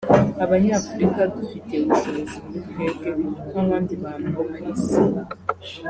abanyafurika dufite ubushobozi muri twebwe nk’abandi bantu bo ku isi